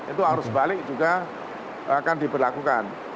itu arus balik juga akan diberlakukan